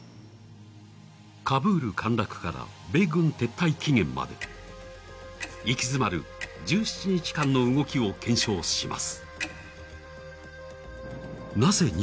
カブール陥落から米軍撤退期限まで、行き詰まる１７日間の動きを検証します。